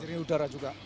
pencerni udara juga